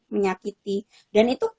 menyakiti dan itu